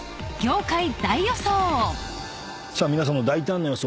さあ皆さんの大胆な予想